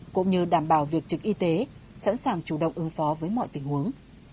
cũng như đảm bảo việc trực y tế sẵn sàng chủ động ứng phó với mọi tình huống